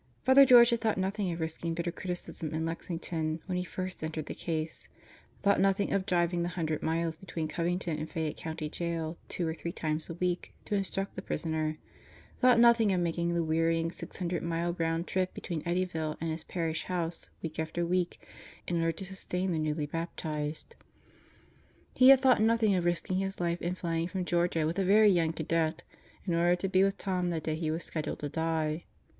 Father George had thought nothing of risking bitter criticism in Lexington when he first entered the case; thought nothing of driving the hundred miles between Covington and Fayette County Jail two or three times a week to instruct the prisoner; thought nothing of making the wearying six hundred mile round trip between Eddyville and his parish house week after week in order to sustain the newly baptized. Into the Hands of God 187 He had thought nothing of risking his life in flying from Georgia with a very young cadet in order to be with Tom the day he was scheduled to die.